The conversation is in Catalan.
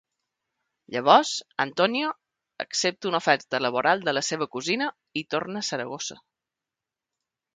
Llavors, Antonio accepta una oferta laboral de la seva cosina i torna a Saragossa.